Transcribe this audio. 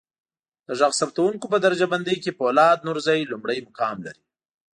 د ږغ ثبتکوونکو په درجه بندی کې فولاد نورزی لمړی مقام لري.